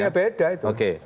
iya beda itu